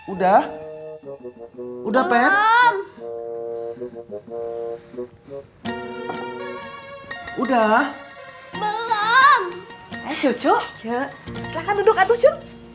udah udah perang udah belum cuco coco